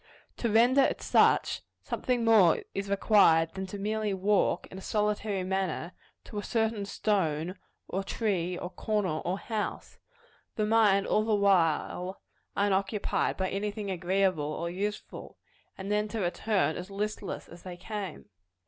To render it such, something more is required than merely to walk, in a solitary manner, to a certain stone, or tree, or corner, or house the mind all the while unoccupied by any thing agreeable or useful and then to return as listless as they came.